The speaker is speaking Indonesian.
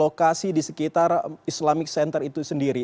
lokasi di sekitar islamic center itu sendiri